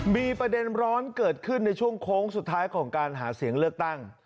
มีประเด็นร้อนเกิดขึ้นในช่วงโค้งสุดท้ายของการหาเสียงเลือกตั้ง